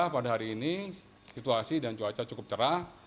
pada hari ini situasi dan cuaca cukup cerah